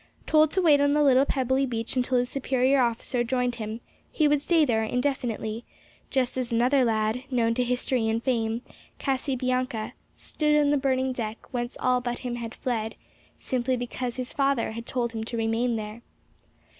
Told to wait on the little pebbly beach until his superior officer joined him, he would stay there indefinitely; just as another lad, known to history and fame, Casibianca, "stood on the burning deck, whence all but him had fled," simply because his father had told him to remain there.